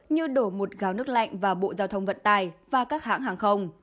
như đổ một gáo nước lạnh vào bộ giao thông vận tải và các hãng hàng không